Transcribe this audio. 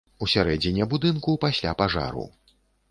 У сярэдзіне будынку пасля пажару.